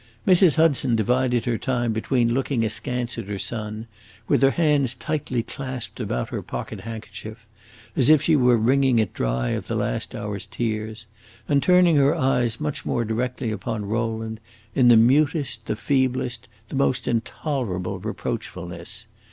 Mrs. Hudson divided her time between looking askance at her son, with her hands tightly clasped about her pocket handkerchief, as if she were wringing it dry of the last hour's tears, and turning her eyes much more directly upon Rowland, in the mutest, the feeblest, the most intolerable reproachfulness.